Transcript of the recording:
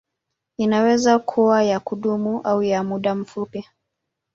Inaweza kuwa ya kudumu au ya muda mfupi.